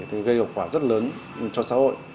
thì gây hợp quả rất lớn cho xã hội